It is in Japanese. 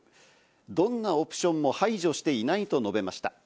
どんなオプションも排除していないと述べました。